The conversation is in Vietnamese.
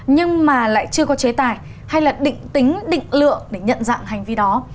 nhưng mà lại chưa có chế tài hay là định tính định lượng để nhận dạng hành vi đó